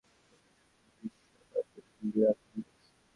সত্যিই সত্যিই বিষপাত্র ভেঙে বিড়ালটা মারা গেছে!